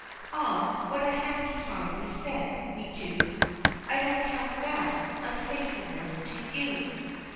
Ah, what a happy time we spent, we two! I don't count that unfaithfulness to you.